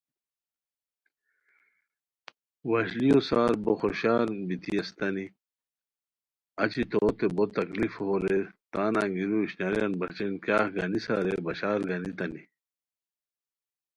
وشلیو سار بو خوشان بیتی استانی اچی توتے بو تکلیف ہوؤ رے تان انگیرو اشناریان بچے کیاغ گانیسہ رے بشار گانیتانی